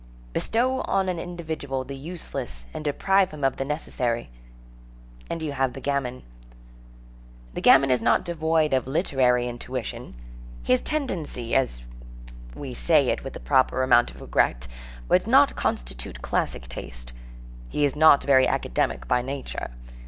Bestow on an individual the useless and deprive him of the necessary, and you have the gamin. The gamin is not devoid of literary intuition. His tendency, and we say it with the proper amount of regret, would not constitute classic taste. He is not very academic by nature.